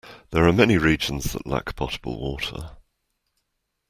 There are many regions that lack potable water.